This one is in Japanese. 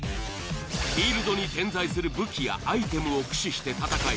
フィールドに点在する武器やアイテムを駆使して戦い